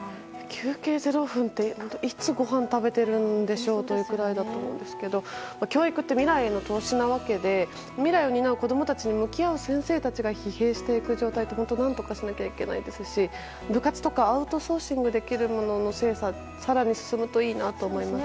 休憩０分っていつごはん食べているんでしょうくらいだと思うんですけど教育は未来への投資なわけで未来を担う子供に向き合う先生が疲弊していく状態は何とかしなきゃいけないですし部活とかアウトソーシングできるものの精査が更に進むといいなと思います。